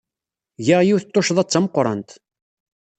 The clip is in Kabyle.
Giɣ yiwet n tuccḍa d tameqrant.